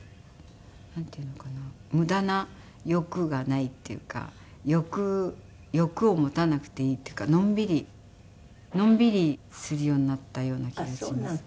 無駄な欲がないっていうか欲を持たなくていいっていうかのんびりのんびりするようになったような気がします。